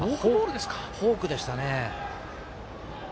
フォークでしたね。